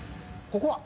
ここは？